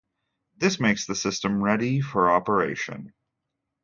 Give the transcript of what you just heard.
This makes the system ready for operation.